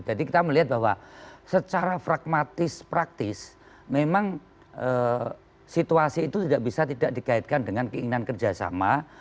jadi kita melihat bahwa secara pragmatis praktis memang situasi itu tidak bisa tidak dikaitkan dengan keinginan kerjasama